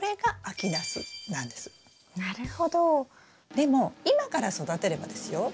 でも今から育てればですよ